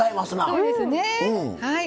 そうですねはい。